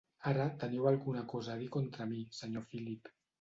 Ara, teniu alguna cosa a dir contra mi, senyor Philip.